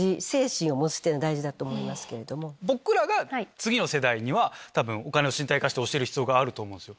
僕らが次の世代にはお金の身体化教える必要があると思うんですよ。